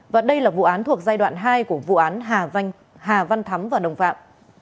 và đây là vụ án thuộc giai đoạn hai của vụ án hà văn thắm và đồng phạm